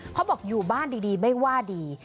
เขาบอกอยู่บ้านดีไม่ว่าดี